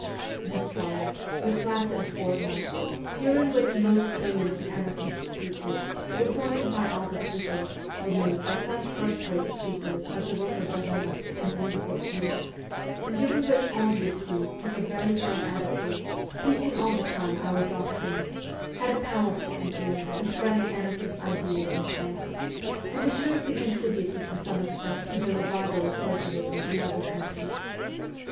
This trial, which lasted a fortnight, during which most brilliant anarchist speeches, reported by all the papers, were made by such first rate speakers as the worker Bernard and Bmile Gautier, and during which all the accused took a very firm attitude, preaching all the time our doctrines, had a powerful influence in spreading anarchist ideas in France, and assuredly contributed to some extent to the revival of socialism in other countries.